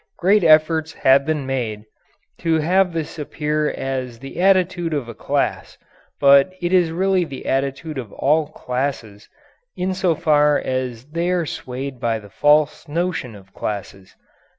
Great efforts have been made to have this appear as the attitude of a class, but it is really the attitude of all "classes," in so far as they are swayed by the false notion of "classes."